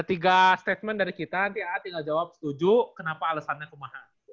ada tiga statement dari kita nanti a tinggal jawab setuju kenapa alesannya kemah